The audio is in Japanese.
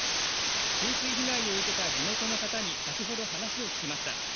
浸水被害を受けた地元の方に先ほど話を聞きました。